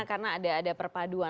karena ada perpaduan